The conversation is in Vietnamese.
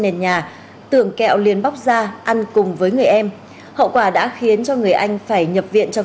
nền nhà tưởng kẹo liền bóc ra ăn cùng với người em hậu quả đã khiến cho người anh phải nhập viện trong